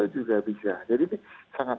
juga bisa jadi sangat